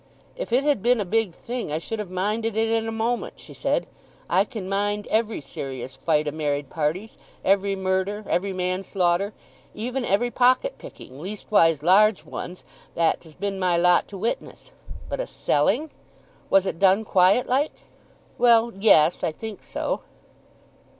"If it had been a big thing I should have minded it in a moment," she said. "I can mind every serious fight o' married parties, every murder, every manslaughter, even every pocket picking—leastwise large ones—that 't has been my lot to witness. But a selling? Was it done quiet like?" "Well, yes. I think so."